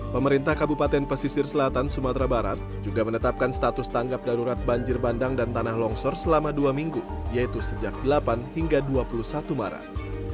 pemerintah kabupaten pesisir selatan sumatera barat juga menetapkan status tanggap darurat banjir bandang dan tanah longsor selama dua minggu yaitu sejak delapan hingga dua puluh satu maret